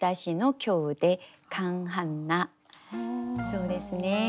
そうですね